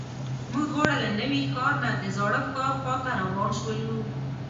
موږ دواړه له نوي ښار نه د زاړه ښار خواته روان شولو.